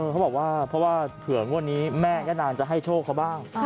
เขาบอกว่าเผื่อวันนี้แม่ก็นานจะให้โชคเขาบ้าง